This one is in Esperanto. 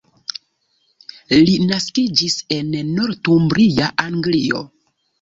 Li naskiĝis en Northumbria, Anglio.